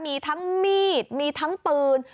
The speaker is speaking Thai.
มีทั้งมีดมีทั้งปืน